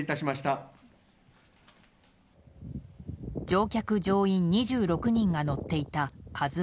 乗客・乗員２６人が乗っていた「ＫＡＺＵ１」。